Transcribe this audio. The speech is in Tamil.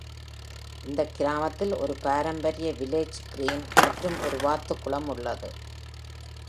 இந்தக் கிராமத்தில் ஒரு பாரம்பரிய Village Green மற்றும் ஒரு வாத்துக் குளம் உள்ளது.